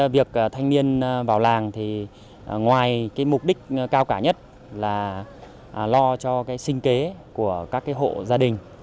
việc thanh niên vào làng thì ngoài cái mục đích cao cả nhất là lo cho cái sinh kế của các cái hộ gia đình